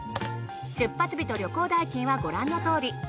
出発日と旅行代金はご覧のとおり。